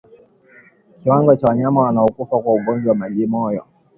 Kiwango cha wanyama wanaokufa kwa ugonjwa wa majimoyo